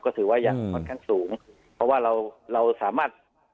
ก็ถือว่ายังค่อนข้างสูงเพราะว่าเราเราสามารถ